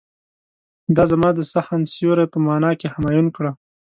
دا زما د سخن سيوری په معنی کې همایون کړه.